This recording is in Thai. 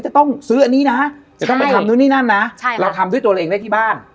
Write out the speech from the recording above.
จะต้องซื้ออันนี้นะจะต้องไปทำนู่นนี่นั่นนะเราทำด้วยตัวเราเองได้ที่บ้าน